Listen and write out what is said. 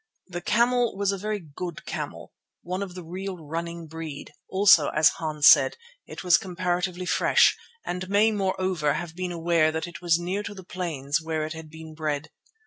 The camel was a very good camel, one of the real running breed; also, as Hans said, it was comparatively fresh, and may, moreover, have been aware that it was near to the plains where it had been bred.